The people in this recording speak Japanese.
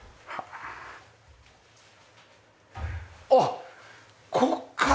あっここからほら！